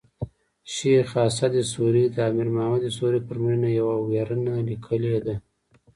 شېخ اسعد سوري د امیر محمد سوري پر مړینه یوه ویرنه لیکلې ده.